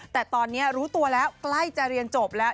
แต่ตอนนี้รู้ตัวแล้วใกล้จะเรียนจบแล้ว